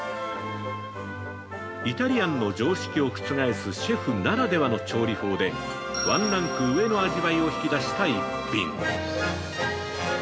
イタリアンの常識を覆すシェフならではの調理法でワンランク上の味わいを引き出した逸品。